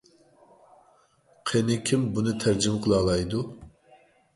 قېنى كىم بۇنى تەرجىمە قىلالايدۇ؟